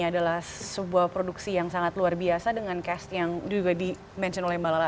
ini adalah sebuah produksi yang sangat luar biasa dengan cash yang juga di mention oleh mbak lala